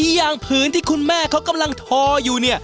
อย่างผืนที่คุณแม่เค้ากำลังทออยู่